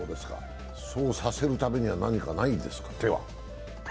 そうさせるためには、何か手はないんですか？